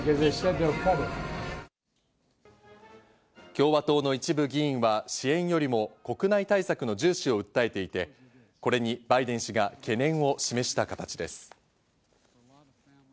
共和党の一部議員は支援よりも国内対策の重視を訴えていて、これにバイデン氏が懸念を示した形です。